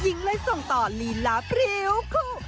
หญิงเลยส่งต่อลีลาพริ้วคู่